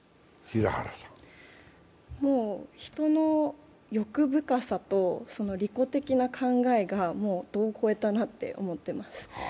人の欲深さと利己的な考えが度を超えたなと思ってます。